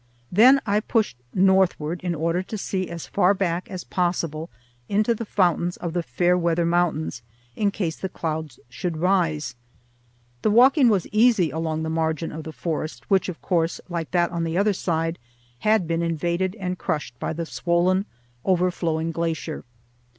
Then I pushed northward in order to see as far back as possible into the fountains of the Fairweather Mountains, in case the clouds should rise. The walking was easy along the margin of the forest, which, of course, like that on the other side, had been invaded and crushed by the swollen, overflowing glacier.